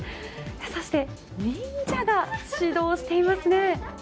そして、忍者が指導していますね。